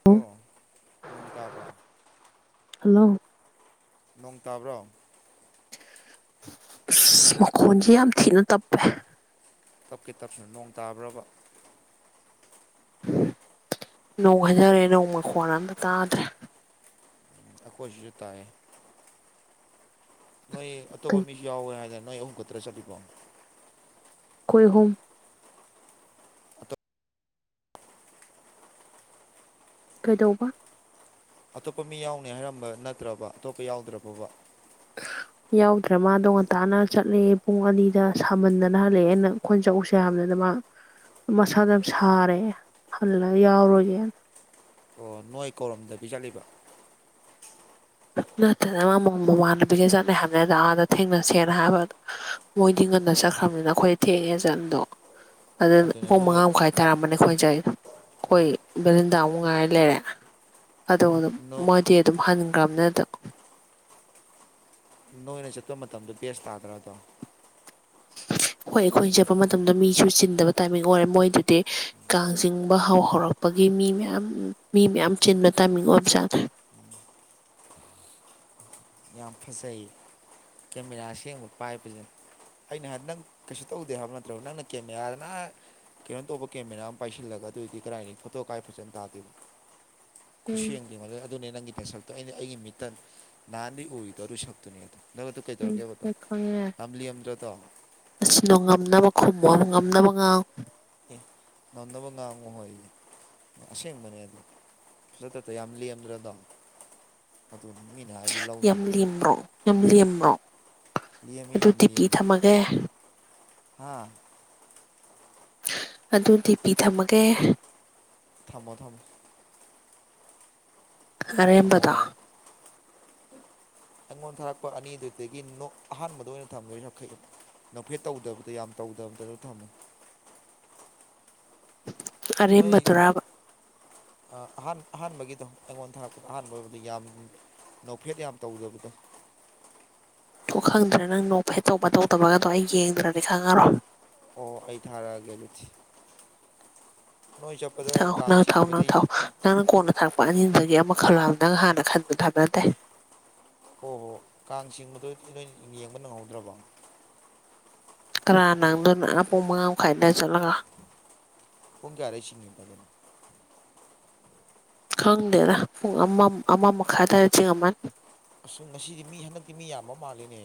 Hello ꯅꯣꯡ ꯇꯥꯕ꯭ꯔꯥ hello ꯅꯣꯡ ꯇꯥꯕ꯭ꯔꯣ ꯑꯁ ꯃꯈꯣꯟꯁꯤꯦ ꯌꯥꯝ ꯊꯤꯅ ꯇꯞꯄꯦ ꯇꯞꯀꯤ ꯇꯞꯁꯤꯅ ꯅꯣꯡ ꯇꯥꯕ꯭ꯔꯕ ꯅꯣꯡ ꯍꯥꯏꯟꯖꯔꯦ ꯅꯣꯡ ꯃꯈ ꯃꯈꯣꯟ ꯑꯝꯇ ꯇꯥꯗ꯭ꯔꯦ ꯑꯩꯈꯣꯏꯁꯤꯁꯨ ꯇꯥꯏ ꯅꯣꯏ ꯑꯇꯣꯞꯄ ꯃꯤꯁꯨ ꯌꯥꯎꯦ ꯍꯥꯏꯔꯅ ꯅꯣꯏ ꯑꯍꯨꯝ ꯈꯛꯇꯔ ꯆꯠꯂꯤꯀꯣ ꯈꯈꯣꯏꯍꯨꯝ ꯀꯩꯗꯧꯕ ꯑꯇꯣꯞꯄ ꯃꯤ ꯌꯥꯎꯅꯤ ꯍꯥꯏꯔꯝꯕ ꯅꯠꯇ꯭ꯔꯕ ꯑꯇꯣꯞꯄ ꯌꯥꯎꯗ꯭ꯔꯕꯕ [unintelligible] ꯌꯥꯎꯗ꯭ꯔꯦ ꯃꯥ ꯗꯣ ꯉꯥꯟꯇꯥꯥꯟꯅ ꯆꯠꯂꯛꯑꯦ ꯄꯨꯡ ꯑꯅꯤꯗ ꯁꯥꯃꯟꯗꯅ ꯍꯜꯂꯛꯑꯦꯅ ꯈꯣꯟꯆꯧꯁꯦ ꯌꯥꯝꯗꯅ ꯃꯥ ꯃꯁꯥꯗ ꯌꯥꯝ ꯁꯥꯔꯦ ꯍꯜꯂꯒ ꯌꯥꯎꯔꯣꯏꯒꯦꯅ ꯑꯣ ꯅꯣꯏ ꯀꯧꯔꯝꯗꯕꯤ ꯆꯠꯂꯤꯕ ꯅꯠꯇꯗꯅ ꯃꯃ ꯃꯃ ꯅꯨ ꯄꯒꯦ ꯆꯠꯅꯩ ꯍꯥꯏꯕꯅꯦꯗ ꯑꯥꯗ ꯊꯦꯡꯅꯁꯦꯅ ꯍꯥꯏꯕꯗꯣ ꯃꯣꯏꯗꯤ ꯉꯟꯅ ꯆꯠꯈ꯭ꯔꯕꯅꯤꯅ ꯑꯩꯈꯣꯏꯗ ꯊꯦꯡꯉꯦ ꯆꯠꯗꯣ ꯑꯗꯨ ꯑꯗꯨꯅꯦ ꯄꯨꯡ ꯃꯉꯥ ꯅꯣꯏ ꯃꯈꯥꯏ ꯇꯥꯔꯝꯕꯅꯤ ꯑꯩ ꯈꯣꯏꯖꯩ ꯑꯩꯈꯣꯏ ꯕꯗꯤꯟꯗ ꯑꯃꯨꯛ ꯉꯥꯏꯔ ꯂꯩꯔꯦ ꯑꯣꯝ ꯃꯣꯏꯗꯤ ꯑꯗꯨꯝ ꯍꯟꯈ꯭ꯔꯕꯅꯤꯅ ꯑꯗꯨ ꯅꯣꯏꯅ ꯆꯠꯄ ꯃꯇꯝꯗꯣ ꯕꯦꯁ ꯇꯥꯗ꯭ꯔꯗꯣ [inaudible] ꯍꯣꯏ ꯑꯩꯈꯣꯏꯅ ꯆꯠꯄ ꯃꯇꯝꯗ ꯃꯤꯁꯨ ꯆꯤꯟꯗꯕ ꯇꯥꯏꯃꯤꯡ ꯑꯣꯏꯔꯦ ꯃꯣꯏꯗꯨꯗꯤ ꯀꯥꯡ ꯆꯤꯡꯕ ꯍꯧ ꯍꯧꯔꯛꯄ ꯄꯒꯤ ꯃꯤ ꯃꯌꯥꯝ ꯃꯤ ꯃꯌꯥꯝ ꯆꯤꯟꯕ ꯇꯥꯏꯃꯤꯡ ꯑꯣꯏ ꯆꯥꯠꯗ꯭ꯔꯦ ꯎꯝ [inaudible] ꯌꯥꯝ ꯐꯖꯩꯌꯦ ꯀꯦꯃꯦꯔꯥ ꯁꯦꯡꯕ ꯄꯥꯏꯕꯕꯁꯤꯅ ꯑꯩꯅ ꯍꯥꯏ ꯅꯪ ꯀꯩꯁꯨ ꯇꯧꯗꯦ ꯍꯥꯏꯕ ꯅꯠꯇ꯭ꯔꯣ ꯅꯪꯅ ꯀꯦꯃꯦꯔꯥꯗꯅ ꯀꯩꯅꯣ ꯇꯧꯕ ꯀꯦꯃꯦꯔꯥ ꯑꯃ ꯄꯥꯏꯁꯤꯜꯂꯒ ꯑꯗꯨꯑꯣꯏꯗꯤ ꯀꯗꯥꯥꯏꯅꯤ ꯐꯣꯇꯣ ꯀꯥꯏ ꯐꯖꯅ ꯇꯥꯗꯦꯅꯣ ꯎꯝ ꯈꯨꯠꯁꯦꯝꯗꯤ ꯃ ꯑꯗꯨꯅꯦ ꯅꯪꯒꯤ ꯄꯦꯁꯛꯇꯣ ꯑꯩꯅ ꯑꯩꯒꯤ ꯃꯤꯇꯟ ꯅꯍꯥꯟꯗꯤ ꯑꯣꯏꯗꯧꯔꯨ ꯁꯛꯇꯨꯅꯦ ꯑꯗꯣ ꯅꯪ꯭ꯔꯗꯣ ꯎꯝ ꯀꯩꯗꯧꯔꯒꯦꯕꯗꯣ ꯍꯣꯏ ꯈꯪꯉꯦ ꯌꯥꯝꯂꯤꯔꯗ꯭ꯔꯣ ꯇꯣ ꯑꯁꯤꯅꯣ ꯉꯝꯅꯕ ꯈꯨꯝꯃ ꯉꯝꯅꯕ ꯉꯥꯎ ꯑꯦ ꯉꯝꯅꯕ ꯉꯥꯡꯉꯨ ꯍꯣꯏ ꯑꯁꯦꯡꯕꯅꯦ ꯑꯗꯨ ꯁꯤ ꯌꯥꯝꯂꯤ ꯌꯥꯝꯗ꯭ꯔꯗꯝ ꯌꯥꯝ ꯂꯦꯝꯕ꯭ꯔꯣ ꯌꯥꯝ ꯂꯦꯝꯕ꯭ꯔꯣ ꯑꯗꯨ ꯇꯤꯄꯤ ꯊꯝꯃꯒꯦ ꯍꯥꯥ ꯑꯗꯨꯗꯤ ꯄꯤ ꯊꯝꯃꯒꯦ ꯊꯝꯃꯣ ꯊꯝꯃꯣ ꯊꯝꯃꯣ ꯑꯔꯝꯕꯗ ꯑꯩꯉꯣꯟꯗ ꯊꯥꯔꯛꯄ ꯑꯅꯤꯗꯨꯗꯒꯤꯣꯛ ꯑꯍꯥꯟꯕꯗ ꯑꯣꯏꯅ ꯊꯝꯗꯣꯏꯅ ꯌꯥꯈꯩꯗ ꯅꯐꯦꯠ ꯇꯧꯗꯕꯗ ꯌꯥꯝ ꯇꯧꯗꯕꯗ ꯑꯗꯨ ꯊꯝꯃꯦ ꯅꯣꯏ ꯑꯔꯦꯝꯕꯗꯨꯔꯕ ꯑꯍ ꯑꯍꯥꯟꯕꯒꯤꯗꯣ ꯑꯩꯉꯣꯟꯗꯔꯛꯄꯗ ꯑꯍꯥꯟꯕꯕꯨꯗꯤ ꯌꯥꯝ ꯧꯐꯦꯠ ꯌꯥꯝ ꯇꯧꯖꯕꯗꯣ ꯑꯣ ꯈꯪꯗ꯭ꯔꯦ ꯅꯪ ꯅꯣꯛ ꯐꯦꯇꯣꯛ ꯐ ꯇꯧꯇꯕꯒꯗꯣ ꯑꯩ ꯌꯦꯡꯗ꯭ꯔꯗꯤ ꯈꯪꯉꯔꯣ ꯑꯣ ꯑꯩ ꯊꯥꯔꯛꯑꯒꯦ ꯑꯗꯨꯁꯤ ꯅꯣꯏ ꯆꯠꯄꯗ ꯊꯥꯎ ꯀꯥꯡ ꯅꯪ ꯊꯥꯎ ꯅꯪ ꯆꯤꯡꯕꯗꯤ ꯊꯥꯎ ꯅꯪꯅ ꯀꯣꯟꯅ ꯊꯔꯛꯄ ꯑꯅꯤꯗꯨꯗꯒꯤ ꯑꯃ ꯈꯜꯂꯣ ꯍꯥꯏꯕ ꯅꯪ ꯍꯥꯟꯅ ꯈꯟꯕꯗꯣ ꯍꯥꯏꯕ ꯅꯠꯇꯦ ꯍꯣ ꯍꯣ ꯀꯥꯡ ꯆꯤꯡꯕꯗꯣ ꯅꯣꯏ ꯌꯦꯡꯕ ꯅꯪꯍꯧꯗ꯭ꯔꯕꯣ ꯀꯅꯥꯅ ꯅꯪꯗꯣꯏꯅꯣ ꯑꯥ ꯄꯨꯡ ꯃꯉꯥ ꯃꯈꯥꯏ ꯑꯗꯥꯏ ꯆꯠꯂꯒ ꯄꯨꯡꯖꯥꯔꯩꯁꯤꯁꯤꯡ ꯌꯦꯕꯒꯅ ꯈꯪꯗꯦꯗ ꯄꯨꯡ ꯑꯃ ꯑꯃ ꯃꯈꯥꯏꯗꯋꯥꯔꯦ ꯆꯤꯡ ꯑꯃ ꯑꯁ ꯉꯁꯤꯗꯤ ꯃꯤ ꯍꯟꯗꯛꯇꯤ ꯃꯤ ꯌꯥꯝꯕ ꯃꯥꯜꯂꯤꯅꯦ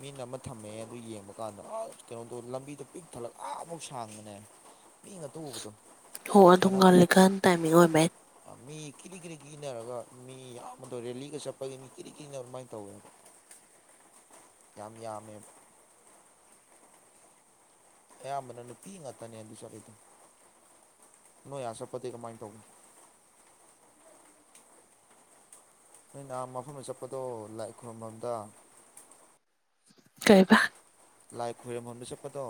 ꯃꯤꯅ ꯑꯃ ꯊꯝꯃꯛꯑꯦ ꯑꯗꯨ ꯌꯦꯡꯕ ꯀꯥꯟꯗ ꯑ ꯀꯩꯅꯣꯗꯣ ꯂꯝꯕꯤꯗ ꯄꯤꯛ ꯊꯜꯂ ꯑꯃꯨꯛ ꯁꯥꯡꯕꯅꯦ ꯃꯤꯉꯥꯇ ꯎꯕꯗꯣ ꯍꯣ ꯑꯗꯨ ꯁꯥꯟꯅꯕ ꯉꯜꯂꯤꯀꯥꯟ ꯇꯥꯏꯃꯤꯡ ꯑꯣꯏꯕꯩ ꯑꯥ ꯃꯤ ꯀꯤꯔꯤ ꯀꯤꯔꯤ ꯀꯤ ꯏꯅꯔꯒ ꯃꯤ ꯌꯥꯝꯕꯗꯣ ꯔꯦꯂꯤꯒ ꯆꯠꯄꯒꯤ ꯃꯤ ꯀꯤꯔꯤ ꯀꯤ ꯏꯅꯅꯕ ꯑꯗꯨꯃꯥꯏꯅ ꯇꯧꯋꯦꯕ ꯌꯥꯝ ꯌꯥꯝꯃꯦ ꯑꯌꯥꯝꯕꯅ ꯅꯨꯄꯤ ꯉꯥꯛꯇꯅꯦ ꯑꯗꯨ ꯆꯠꯂꯤꯗꯨ ꯅꯣꯏ ꯑꯥ ꯆꯠꯄꯗꯤ ꯀꯃꯥꯏꯅ ꯇꯧꯒꯅꯤ ꯅꯣꯏ ꯅꯍꯥꯟ ꯃꯐꯝꯃ ꯆꯠꯄꯗꯣ ꯂꯥꯏ ꯈꯨꯔꯨꯝꯕꯝꯗ ꯀꯩꯕ ꯂꯥꯏ ꯈꯣꯏꯔꯝꯐꯝꯗ ꯆꯠꯄꯗꯣ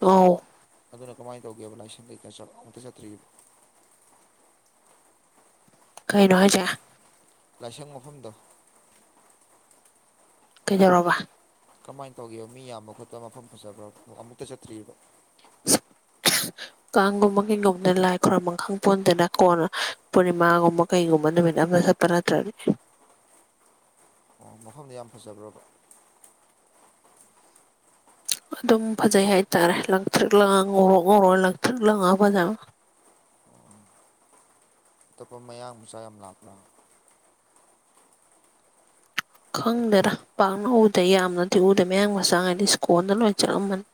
ꯑꯥꯎ ꯑꯗꯨꯅ ꯀꯃꯥꯏꯅ ꯇꯧꯒꯦꯕ ꯂꯥꯏꯁꯪ ꯀꯩꯀꯥ ꯆꯠ ꯑꯃꯨꯛꯇ ꯆꯠꯇ꯭ꯔꯤꯕ ꯀꯩꯅꯣ ꯍꯥꯏꯖꯦ ꯂꯥꯏꯁꯪ ꯃꯐꯝꯗꯣ ꯀꯩꯗꯧꯔꯕ ꯀꯃꯥꯏꯅ ꯇꯧꯒꯦꯕ ꯃꯤ ꯌꯥꯝꯕ ꯈꯣꯠꯄ ꯃꯐꯝ ꯐꯖꯕ꯭ꯔ ꯑꯃꯨꯛꯇ ꯆꯠꯇ꯭ꯔꯤꯕ ꯀꯥꯡꯒꯨꯝꯕ ꯀꯩꯒꯨꯝꯗ ꯂꯥꯏ ꯈꯨꯔꯝꯕꯝ ꯈꯪꯄꯣꯟꯇꯦꯗ ꯀꯣꯟꯅ ꯄꯨꯔꯅꯤꯃꯥꯒꯨꯝꯕ ꯀꯩꯒꯨꯝꯕ ꯅꯨꯃꯤꯠ ꯑꯃꯗ ꯆꯠ ꯄ ꯅꯠꯇ꯭ꯔꯗꯤ ꯑꯣ ꯃꯐꯝꯗꯤ ꯌꯥꯝ ꯐꯖꯕ꯭ꯔꯥꯕ ꯑꯗꯨꯝ ꯐꯖꯩ ꯍꯥꯏꯇꯥꯔꯦ ꯂꯪꯊ꯭ꯔꯤꯛ ꯂꯪꯉ ꯉꯧꯔꯣꯛ ꯉꯧꯔ ꯂꯪꯊ꯭ꯔꯤꯛ ꯂꯪꯉ ꯐꯖꯃ ꯑꯇꯣꯞꯄ ꯃꯌꯥꯡ ꯃꯆꯥ ꯌꯥꯝ ꯂꯥꯛꯄ꯭ꯔꯣ ꯈꯪꯗꯦꯗ ꯄꯥꯛꯅ ꯎꯗꯦ ꯌꯥꯝꯅꯗꯤ ꯎꯗꯦ ꯃꯌꯥꯡ ꯃꯆꯥ ꯉꯩꯗꯤ ꯏꯁ꯭ꯀꯣꯟꯗ ꯂꯣꯏ ꯆꯠꯂꯝꯃꯅꯤ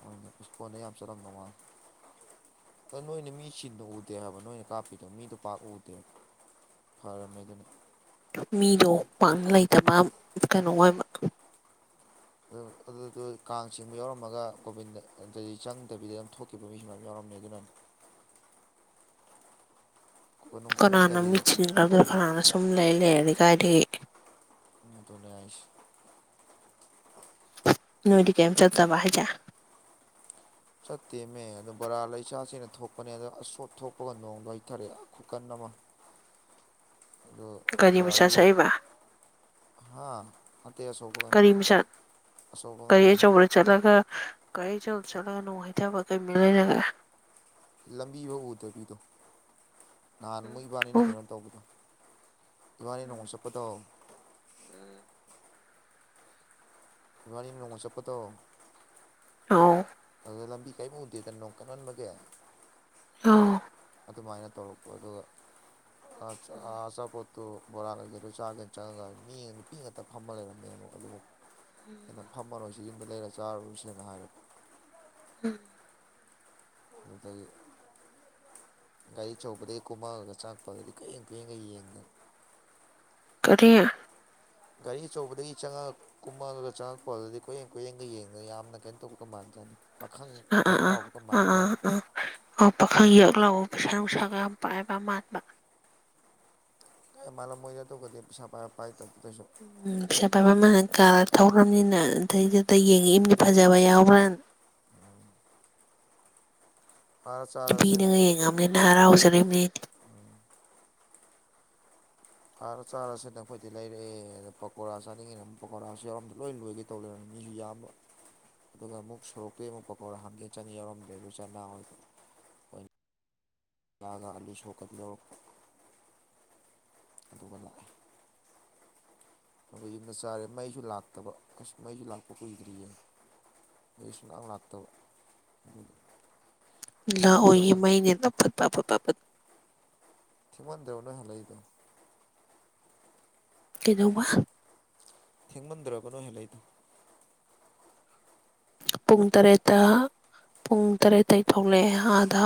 ꯃꯣꯏꯅ ꯏꯁꯀꯣꯟꯗ ꯌꯥꯝ ꯆꯠꯂꯝꯗꯧ ꯃꯥꯜꯂꯤ ꯑꯗꯣ ꯅꯣꯏꯅ ꯃꯤ ꯆꯤꯟꯅ ꯎꯗꯦ ꯍꯥꯏꯕ ꯅꯣꯏꯅ ꯀꯥꯞꯄꯤꯗꯣ ꯃꯤꯗꯣ ꯄꯥꯛ ꯎꯗꯦꯕ ꯐꯔꯝꯃꯦꯗꯨꯅ꯫ ꯃꯤꯗꯣ ꯄꯥꯛꯅ ꯂꯩꯇꯕ ꯀꯩꯅꯣ ꯑꯣꯏꯕ, ꯑꯗꯨ ꯑꯗꯨꯗꯨꯣ ꯀꯥꯡ ꯆꯤꯡꯕ ꯌꯥꯎꯔꯝꯃꯒ ꯀꯣꯚꯤꯟꯗꯗꯤ ꯆꯪꯗꯕꯤꯗ ꯑꯗꯨꯝ ꯊꯣꯛꯈꯤꯕ ꯃꯤꯁꯨ ꯃꯌꯝ ꯌꯥꯎꯔꯝꯃꯦ ꯑꯗꯨꯅꯅꯦ꯫ ꯀꯣꯅꯨꯡ ꯀꯅꯥꯅ ꯃꯤ ꯆꯪꯉꯝꯗꯕꯤꯗ ꯆꯤꯟꯈ꯭ꯔꯒ ꯀꯅꯥꯅ ꯁꯨꯝ ꯅꯩ ꯂꯩꯔꯗꯤ ꯀꯥꯏꯗꯒꯤ꯫ ꯑꯗꯨꯅꯦ ꯍꯥꯏꯁꯦ꯫ ꯅꯣꯏꯗꯤ ꯀꯩꯝ ꯆꯠꯇꯕ ꯍꯥꯏꯖ? ꯆꯠꯇꯦꯃꯦ ꯑꯗꯨ ꯕꯣꯔꯥ ꯂꯩꯆꯥꯁꯤꯅ ꯊꯣꯛꯄꯅꯦ ꯑꯗꯣ ꯑꯁꯣꯠ ꯊꯣꯛꯄꯒ ꯅꯣꯡꯗ ꯍꯩꯊꯔꯛꯑꯦ ꯈꯨꯀꯟ ꯑꯃ꯫ [inaudible] ꯑꯗꯣ ꯒꯥꯔꯤ ꯕꯣꯔꯥ ꯃꯆꯥ ꯂꯩ ꯆꯠꯏꯕ ꯍꯥ ꯅꯠꯇꯦ ꯑꯁꯣꯛꯄꯒꯅꯤ ꯀꯔꯤ ꯃꯤꯁꯛ ꯀꯔꯤ ꯑꯁꯣꯛꯄꯒꯅꯦ ꯑꯆꯧꯕ ꯆꯠꯂꯒ ꯒꯥꯔꯤ ꯆꯧꯕꯗ ꯆꯠꯂꯒ ꯅꯣꯡ ꯍꯩꯊꯕ ꯀꯩ ꯃꯔꯤ ꯂꯩꯅꯒꯦ꯫ ꯂꯝꯕꯤꯕꯧ ꯎꯗꯕꯤꯗꯣ ꯅꯍꯥꯟ ꯃꯣꯏꯕꯥꯅꯤꯅ ꯎꯝ ꯀꯩꯅꯣ ꯇꯧꯕꯗꯣ꯫ ꯏꯕꯥꯅꯤ ꯅꯣꯡꯃ ꯆꯠꯄꯗꯣ꯫ ꯎꯝ [unintelligible] ꯏꯕꯥꯅꯤ ꯅꯣꯡꯃ ꯆꯠꯄꯗꯣ꯫ ꯑ [unintelligible] ꯑꯗꯣ ꯂꯝꯕꯤ ꯀꯩꯝ ꯎꯗꯦꯗꯅ ꯅꯣꯡ ꯀꯟꯃꯟꯕꯒꯤ꯫ ꯑ [unintelligible] ꯑꯗꯨꯃꯥꯏꯅ ꯇꯧꯔꯛꯄ ꯑꯗꯨꯒ ꯑꯆꯥꯄꯣꯠ, ꯑꯣ ꯕꯣꯔꯥ ꯀꯩ-ꯀꯩꯗꯣ ꯆꯥꯒꯦꯅ ꯆꯪꯉꯒ ꯃꯤ ꯅꯨꯄꯤ ꯉꯥꯛꯛꯇ ꯐꯝꯕ ꯂꯩꯔꯝꯃꯦ ꯑꯃꯨꯛ ꯑꯗꯨꯕꯨ ꯐꯝꯃꯔꯣꯏꯁꯤ ꯌꯨꯝꯗ ꯂꯩꯔ ꯆꯥꯔꯨꯔꯁꯦꯅ ꯍꯥꯏꯔ, ꯎꯝ ꯗꯨꯇꯥꯏꯗꯤ ꯒꯥꯔꯤ ꯑꯆꯧꯕꯗꯒꯤ ꯀꯨꯝꯃꯛꯑꯒ ꯆꯥꯛꯄꯗꯗꯤ ꯀꯨꯌꯦꯡ ꯀꯨꯌꯦꯡꯒ ꯌꯦꯡꯗ ꯀꯔꯤ ꯒꯥꯔꯤ ꯑꯆꯧꯕꯗꯒꯤ ꯆꯪꯉꯛ ꯀꯨꯝꯍꯜꯔꯒ ꯆꯪꯉꯛꯄꯗꯗꯤ ꯀꯣꯏꯌꯦꯡ ꯀꯣꯏꯌꯦꯡꯒ ꯌꯦꯡꯗꯅ ꯌꯥꯝꯅ ꯀꯩꯅꯣ ꯇꯧꯕ ꯃꯥꯟ ꯆꯥꯅꯤ꯫ ꯄꯥꯈꯪ ꯑꯥ ꯑꯥ ꯖꯛ ꯑꯥ ꯂꯥꯎꯕꯒ ꯑꯥ ꯃꯥꯟꯖꯥꯅꯤ꯫ ꯑꯥ ꯑꯥ ꯄꯥꯈꯪ ꯌꯛ ꯂꯎꯕ ꯄꯩꯁꯥ ꯅꯨꯡꯁꯥꯒ ꯌꯥꯝ ꯄꯥꯏꯕ ꯃꯥꯟꯕ꯫ ꯀ ꯃꯥꯜꯂꯝ ꯃꯣꯏꯗ ꯑꯗꯨꯒꯗꯤ ꯄꯩꯁꯥ ꯄꯥꯏꯕꯥ ꯄꯥꯏꯇꯕꯥ ꯀꯩꯁꯨ ꯎꯝ ꯄꯩꯁꯥ ꯄꯥꯏꯕ ꯑꯃꯅ ꯀꯥꯔ ꯊꯧꯔꯝꯅꯤꯅ ꯑꯗꯩꯗꯨ ꯀꯩ ꯌꯦꯡꯉꯛꯏꯃꯜꯅꯤ ꯐꯖꯕ ꯌꯥꯎꯕ꯭ꯔꯥ ꯑꯥꯗ ꯆꯥꯔꯁꯦꯅ ꯅꯨꯄꯤꯅꯒ ꯌꯦꯡꯉꯥꯑꯃꯤꯅ ꯍꯔꯥꯎꯖꯔꯤꯃꯤ ꯈꯥꯔ ꯆꯥꯔꯁꯤ ꯅꯈꯣꯏꯗꯤ ꯂꯩꯔꯦ ꯑꯗꯥ ꯄꯀꯣꯔꯥ ꯆꯥꯅꯤꯡꯉꯤꯅ ꯄꯀꯣꯔꯥꯁꯨ ꯌꯥꯎꯔꯝꯗ ꯂꯣꯏ ꯂꯣꯏꯒꯔꯦ ꯇꯧ ꯂꯩꯔꯝ ꯃꯤꯁꯨ ꯌꯥꯝꯕ ꯑꯗꯨꯒ ꯑꯃꯨꯛ ꯁꯣꯔꯣꯛꯇꯩ ꯑꯃꯨꯛ ꯄꯀꯧꯔ ꯍꯪꯒꯦ ꯆꯪꯉꯦ ꯌꯥꯎꯔꯝꯗꯦ ꯑꯗꯨ ꯆꯅꯥ ꯑꯣꯏꯗꯣ ꯌꯥꯒꯥ ꯑꯂꯨꯁꯣꯛꯀꯥꯗꯤ ꯌꯥꯎꯔꯛ ꯑꯗꯨꯒ ꯂꯥꯛꯑꯦ ꯑꯗꯩꯩ ꯌꯨꯝꯗꯥ ꯆꯥꯔꯦ ꯃꯩꯁꯨ ꯂꯥꯛꯇꯕ ꯑꯁ ꯃꯩꯁꯨ ꯂꯥꯛꯄ ꯀꯨꯏꯗ꯭ꯔꯤꯌꯦ ꯃꯩ ꯁꯨꯡꯂꯥꯛꯂꯥꯛꯇꯥꯕꯥ ꯑꯗꯨꯒꯤ ꯂꯥꯛꯑꯣꯏꯌꯦ ꯃꯩꯅꯦꯅ ꯐꯨꯠ ꯄꯥ ꯐꯨꯠ ꯄꯥ ꯐꯨꯠ ꯊꯦꯡꯃꯟꯗꯔꯣ ꯅꯣꯏ ꯍꯜꯂꯏꯗꯣ ꯀꯩꯅꯣꯝꯃꯥ ꯍꯪ ꯊꯦꯡꯃꯟꯗ꯭ꯔꯕ ꯅꯣꯢ ꯍꯂꯛꯏꯗꯣ ꯄꯨꯡ ꯇꯔꯦꯠꯇ ꯄꯨꯡ ꯇꯔꯦꯠꯇꯩ ꯊꯣꯛꯂꯛꯑꯦ ꯑꯥꯗ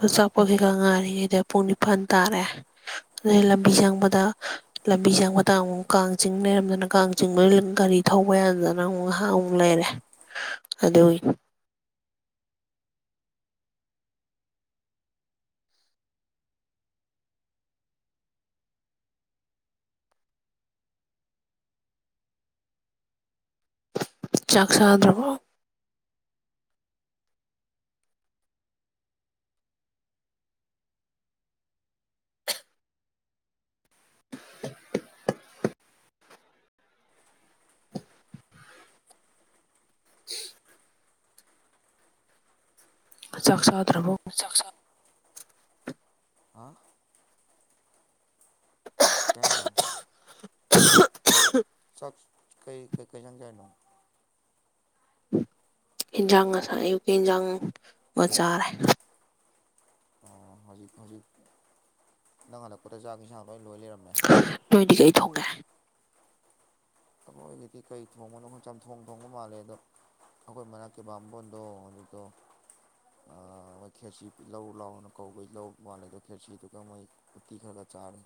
ꯗꯣ ꯑꯥ ꯆꯥꯛꯄ ꯒꯩꯀꯥ ꯉꯥꯢꯔꯤꯉꯩꯗ ꯄꯨꯡ ꯅꯤꯄꯥꯟ ꯇꯥꯔꯦ ꯑꯗꯩꯂꯝꯕꯤ ꯆꯪꯕꯗ ꯂꯝꯕꯤ ꯆꯪꯕꯗ ꯑꯃꯨꯛ ꯀꯥꯡ ꯆꯤꯡ ꯂꯩꯔꯝꯗꯅ ꯀꯥꯡ ꯆꯤꯡ ꯕꯩ ꯂꯩ ꯒꯥꯔꯤ ꯊꯧꯕ ꯌꯥꯗꯗꯅ ꯑꯃꯨꯛ ꯉꯥꯍꯥꯛ ꯑꯃꯨꯛ ꯂꯩꯔꯦ ꯑꯗꯨꯢ ꯆꯥꯛ ꯆꯥꯗ꯭ꯔꯕꯣ [inaudible] [inaudible] ꯆꯥꯛ ꯆꯥꯗ꯭ꯔꯕꯣ ꯍꯥꯥ ꯀꯩ ꯍꯥꯏꯅꯣ [unintelligible] ꯆꯥꯛ ꯀꯩ ꯀꯩꯀꯩ ꯏꯟꯖꯥꯡ ꯆꯥꯏꯅꯣ ꯏꯟꯖꯥꯡ ꯉꯥꯁꯥꯏ ꯑꯌꯨꯛꯀꯤ ꯏꯟꯖꯥꯡ ꯉꯥ ꯆꯥꯔꯦ ꯑꯣ ꯍꯧꯖꯤꯛ ꯍꯧꯖꯤꯛ ꯅꯪ ꯍꯜꯂꯛꯄꯗ ꯆꯥꯛ ꯏꯟꯁꯥꯡ ꯂꯣꯏ ꯂꯣꯏ ꯂꯩꯔꯝꯃꯦ ꯅꯣꯏꯗꯤ ꯀꯩ ꯊꯣꯡꯉꯦ ꯑꯈꯣꯏꯒꯤꯗꯤ ꯀꯩ ꯊꯣꯡꯕꯅꯣ ꯈꯪ ꯆꯝꯊꯣꯡ ꯊꯣꯡꯕ ꯃꯥꯜꯂꯦ ꯑꯗꯣ ꯑꯈꯣꯏ ꯃꯅꯥꯛꯀꯤ ꯕꯥꯝꯕꯣꯟꯗꯣ ꯑꯗꯨꯗꯣ ꯑꯥ ꯃꯣꯏ ꯈꯦꯆꯤ ꯂꯧ ꯂꯥꯎꯅ ꯀꯧꯕꯩ ꯂꯧ ꯃꯥꯜꯂꯤꯗꯣ ꯈꯦꯔꯆꯤꯗꯨꯒ ꯃꯣꯏ ꯎꯇꯤ ꯈꯔꯒ ꯆꯥꯔꯦ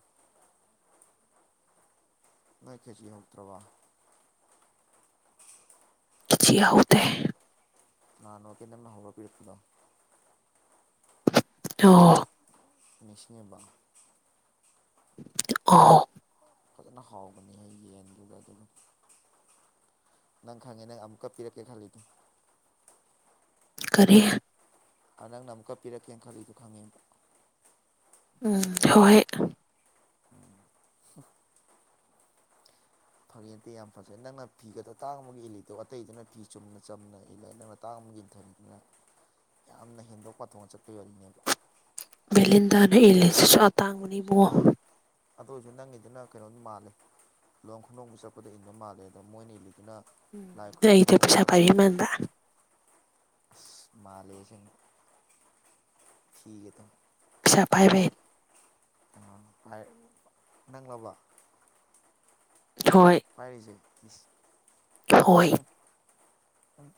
ꯅꯣꯢ ꯈꯦꯆꯤ ꯍꯥꯎꯇ꯭ꯔꯕꯥ꯫ ꯈꯦꯆꯤ ꯍꯥꯎꯇꯦ ꯅꯍꯥꯟꯃꯨꯛꯀꯤ ꯅꯪꯅ ꯍꯧꯔ ꯄꯤꯔꯛꯄꯗꯣ ꯑꯣ ꯅꯤꯁꯤꯡꯉꯤꯕꯣ ꯑꯣ ꯐꯖꯅ ꯍꯥꯎꯕꯅꯤꯍꯦ ꯌꯦꯟꯗꯨꯒ ꯑꯗꯨꯝ ꯅꯪ ꯈꯪꯉꯦ ꯅꯪ ꯑꯃꯨꯛꯀ ꯄꯤꯔꯛꯀꯦ ꯈꯜꯂꯤꯗꯣ ꯀꯔꯤ ꯑ ꯅꯪꯅ ꯑꯃꯨꯛꯀ ꯄꯤꯔꯛꯀꯦꯅꯥ ꯈꯜꯂꯤꯗꯣ ꯈꯪꯉꯦ ꯎꯝ ꯍꯣ ꯍꯦ [inaudible] ꯐꯒꯤ ꯅꯠꯇꯦ ꯌꯥꯝ ꯐꯖꯩ ꯅꯪꯅ ꯐꯤꯒꯗꯣ ꯇꯥꯡꯕꯒ ꯏꯜꯂꯤꯗꯣ ꯑꯇꯩꯗꯨꯅ ꯐꯤ ꯆꯨꯝꯅ ꯆꯝꯅ ꯏꯜꯂ ꯅꯪꯅ ꯇꯥꯡꯕꯒꯤ [unintelligible] ꯅ ꯌꯥꯝꯅ ꯍꯦꯟꯗꯣꯛ ꯄꯥꯊꯣꯛꯅ ꯆꯠꯄꯒꯤ ꯋꯥꯔꯤꯅꯦꯕꯥ ꯚꯦꯂꯤꯟꯗꯥꯅ ꯏꯜꯂꯤꯁꯤꯁꯨ ꯑꯇꯥꯡꯕꯅꯤ ꯏꯕꯨꯉꯣ꯫ ꯑꯗꯨ ꯑꯣꯏꯁꯨ ꯅꯪꯒꯤꯗꯨꯅ ꯀꯩꯅꯣꯝ ꯃꯥꯜꯂꯦ ꯂꯨꯍꯣꯡ ꯈꯣꯡꯗꯣꯡꯕ ꯆꯠꯄꯗ ꯏꯟꯕ ꯃꯥꯜꯂꯦ ꯑꯗ ꯃꯣꯏꯅ ꯏꯜꯂꯤꯗꯨꯅ ꯎꯝ ꯂꯥꯏ ꯗ ꯑꯩꯗꯨ ꯄꯩꯁꯥ ꯄꯥꯢꯕꯤ ꯃꯥꯟꯕ ꯑꯁ ꯃꯥꯂꯦ ꯑꯁꯦꯡꯕ ꯐꯤꯒꯗꯣ ꯄꯩꯁꯥ ꯄꯥꯏꯕꯩ ꯑ ꯐ ꯅꯪꯂꯕ ꯍꯣꯏ꯫ ꯄꯥꯏꯔꯤꯖꯦ ꯏꯁ ꯍꯣꯏ ꯍꯨꯡ ꯍꯨꯡ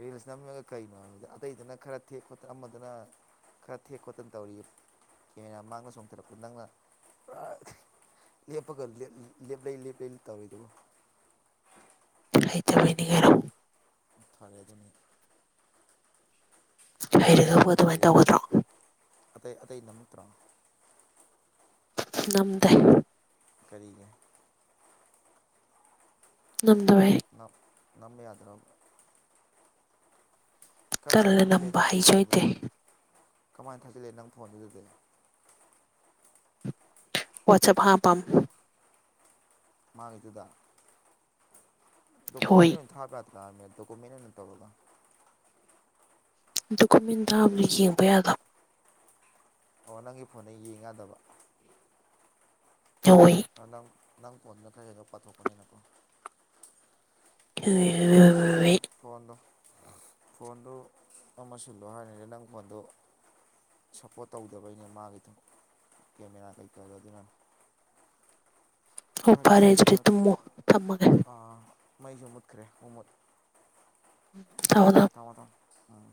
ꯔꯤꯜꯁ ꯅꯝꯃꯒ ꯀꯩꯅꯣ ꯑꯇꯩꯗꯅ ꯈꯔ ꯊꯦꯛ ꯈꯣꯠꯇ ꯑꯃꯗꯅ ꯈꯔ ꯊꯦꯛ ꯈꯣꯠꯇꯅ ꯇꯧꯔꯤꯌꯦ ꯀꯦꯃꯦꯔꯥ ꯃꯥꯡꯗ ꯆꯣꯡꯊꯔꯛꯄ ꯅꯪꯅ ꯑꯥꯛ ꯂꯦꯞꯄꯒ ꯂꯦꯞ ꯂꯦꯞꯂꯩ ꯂꯦꯞꯄ ꯂꯩꯅ ꯇꯧꯔꯤꯗꯨꯕꯣ ꯍꯩꯇꯕꯩꯅꯤ ꯀꯩꯅꯣ ꯐꯥꯔꯦ ꯑꯗꯨꯅꯤ ꯑꯗꯨꯅꯤ ꯍꯩꯔꯒꯕꯨ ꯑꯗꯨꯃꯥꯏ ꯐꯔꯦ ꯇꯧꯒꯗ꯭ꯔꯣ ꯑꯇꯩ ꯑꯇꯩ ꯅꯝꯇꯔꯣ ꯅꯝꯗꯦ꯫ ꯀꯔꯤꯒꯤ ꯅꯝꯗꯕꯩ ꯅ ꯅꯝꯕ ꯌꯥꯗ꯭ꯔꯣ ꯀꯔꯃꯥꯏ ꯇꯜꯂꯦ ꯊꯥꯖꯤꯜꯂꯛꯦ ꯅꯝꯕ ꯅꯪ ꯍꯩꯁꯨ ꯍꯩꯇꯦ ꯐꯣꯟꯗꯨꯗꯗꯤ ꯀꯃꯥꯏ ꯊꯥꯖꯤꯜꯂꯛꯑꯦ ꯅꯪ ꯐꯣꯟꯗꯨꯗꯗꯤ ꯋꯥꯆꯑꯞ ꯍꯥꯄꯝ ꯃꯥꯒꯤꯗꯨꯗ ꯍꯣꯏ ꯗꯣꯀꯨꯃꯦꯟ ꯑꯣꯏꯅ ꯊꯥꯕ ꯌꯥꯗ꯭ꯔꯥꯃꯦ ꯗꯣꯀꯨꯃꯦꯟ ꯑꯣꯏꯅ ꯇꯧꯔꯒ ꯗꯣꯀꯨꯃꯦꯟ ꯊꯥꯕꯗꯤ ꯌꯦꯡꯕ ꯌꯥꯗ ꯑꯣ ꯅꯪꯒꯤ ꯐꯣꯟꯗ ꯌꯦꯡꯌꯥꯗꯕ ꯗꯣꯏ ꯅꯪ ꯅꯪ ꯀꯣꯟꯗ ꯈ꯭ꯔ ꯍꯦꯟꯅ ꯄꯥꯊꯣꯛꯄꯅꯤꯅꯀꯣ ꯍꯣꯏ ꯍꯣꯏ ꯑꯣ ꯍꯣꯏ ꯐꯔꯦ ꯐꯔꯦ ꯍꯣꯏ ꯑꯗꯣ ꯍꯣꯏ ꯐꯣꯟꯗꯣ ꯐꯣꯟꯗꯨ ꯑꯃ ꯁꯤꯜꯂꯣ ꯍꯥꯏꯔꯤꯅꯤ ꯅꯪ ꯐꯣꯟꯗꯨ ꯁꯞꯄꯣꯔꯠ ꯇꯧꯗꯕꯩꯩꯅꯦ ꯃꯥꯒꯤꯗꯨ ꯀꯦꯃꯦꯔꯥ ꯀꯩꯀꯥ ꯑꯗꯨꯅ ꯍꯣ ꯐꯔꯦ ꯑꯗꯨꯗꯤ ꯇꯨꯃꯣ ꯊꯃꯒꯦ꯫ ꯑꯥ꯫ ꯃꯥꯏꯖꯨ ꯃꯨꯠꯈ꯭ꯔꯦ ꯄꯨꯃꯨꯠ ꯇꯧꯒꯗꯝ ꯒꯗꯝ ꯎꯝ